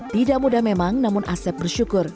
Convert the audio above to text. tidak mudah memang namun asep bersyukur